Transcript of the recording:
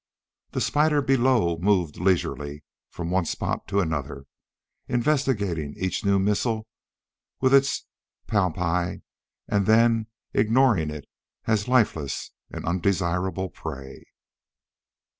The spider below moved leisurely from one spot to another, investigating each new missile with its palpi and then ignoring it as lifeless and undesirable prey.